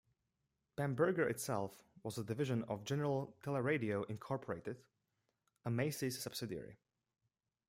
Bamberger itself was a division of General Teleradio Incorporated a Macy's subsidiary.